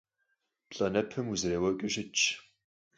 Плӏанэпэм узэреуэкӏыу щытщ.